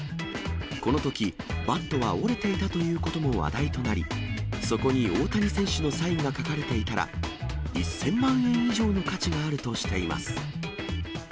このとき、バットは折れていたということも話題となり、そこに大谷選手のサインが書かれていたら、１０００万円以上の価値があるとしています。